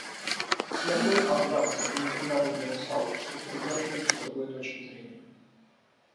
Но мы, афганцы, и международное сообщество придерживаемся другой точки зрения.